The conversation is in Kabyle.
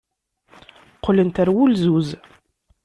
Qqlent ɣer wulzuz.